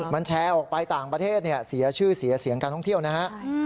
มันแชร์ออกไปต่างประเทศเสียชื่อเสียเสียงการท่องเที่ยวนะฮะ